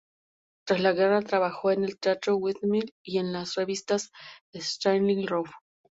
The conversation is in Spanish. Tras la guerra trabajó en el Teatro Windmill y en las revistas Starlight Roof.